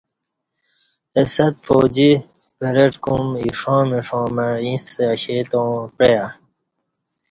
اہ صد فوجی پریڈ کُوم اِیݜاں مݜاں مع اِ یݪستہ اشے تاوں پعیہ